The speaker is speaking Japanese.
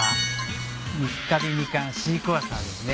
三ヶ日みかんシークァーサーですね。